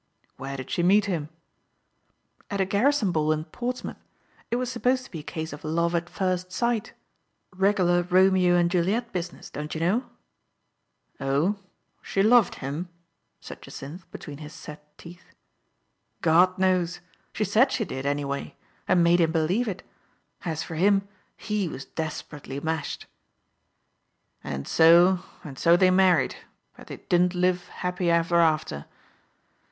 " Where did she meet him ?" "At a garrison ball in Portsmouth. It was supposed to be a case of love at first sight. Digitized by Google 32 THE FA TE OF FENELLA, Regular Romeo and Juliet business, don't you know?" " Oh ! she loved him ?'* said Jacynth, between his set teeth. " God knows ! she said she did, any way ; and made him believe it. As for him, he was des perately mashed." " And so — and so they married, but didn't live happy ever after."